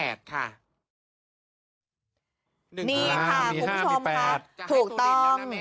นี่ค่ะคุณผู้ชมครับถูกต้อง